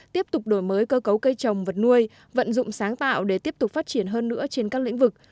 tiếp tục đổi mới cơ cấu cây trồng vật nuôi vận dụng sáng tạo để tiếp tục phát triển hơn nữa trên các lĩnh vực